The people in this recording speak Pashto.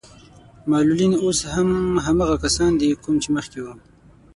معلولين اوس هم هماغه کسان دي کوم چې مخکې وو.